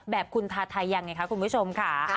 แบบคุณทาไทยยังไงคะคุณผู้ชมค่ะ